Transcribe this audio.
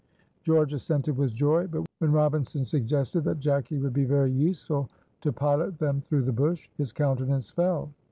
George assented with joy; but, when Robinson suggested that Jacky would be very useful to pilot them through the bush, his countenance fell.